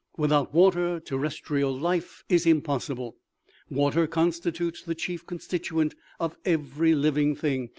Without water terrestrial life is impossible ; water constitutes the chief constituent of every living thing.